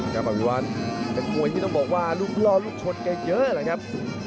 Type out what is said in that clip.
กรรมอวิวัลเป็นมวยที่ต้องบอกว่าลูกรอลูกชนกันเยอะนะครับ